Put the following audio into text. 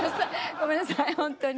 ごめんなさいほんとに。